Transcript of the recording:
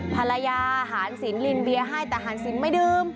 ภรรยาหารสินลินเบียร์ให้แต่หารสินไม่ดื่ม